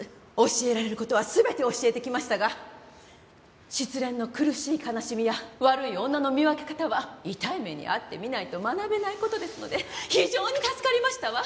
教えられる事は全て教えてきましたが失恋の苦しい悲しみや悪い女の見分け方は痛い目に遭ってみないと学べない事ですので非常に助かりましたわ！